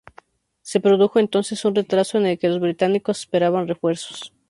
Se produjo entonces un retraso en el que los británicos esperaban refuerzos.